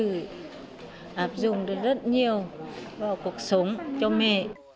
áp dụng được rất nhiều vào cuộc sống cho mẹ